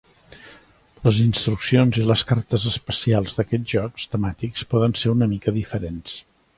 Les instruccions i les cartes especials d'aquests jocs temàtics poden ser una mica diferents.